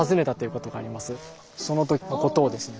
そのときのことをですね